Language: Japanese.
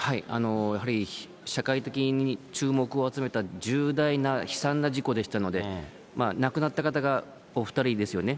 やはり社会的に注目を集めた重大な悲惨な事故でしたので、亡くなった方がお２人ですよね。